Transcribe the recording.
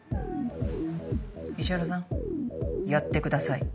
石原さんやってください。